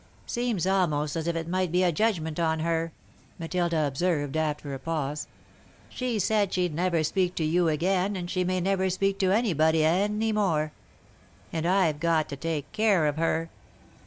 "Seems almost as if it might be a judgment on her," Matilda observed, after a pause. "She said she'd never speak to you again and she may never speak to anybody any more. And I've got to take care of her.